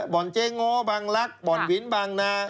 บ่อนเจ๊ง้อบางลักษณ์บ่อนวินบางนา